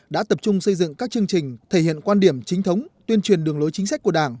đã tập trung xây dựng các chương trình thể hiện quan điểm chính thống tuyên truyền đường lối chính sách của đảng